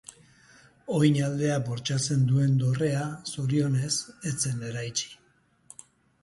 Oin aldea bortxatzen duen dorrea, zorionez, ez zen eraitsi.